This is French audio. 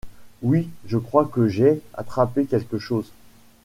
Oui, je crois que j’ai… attrapé quelque chose.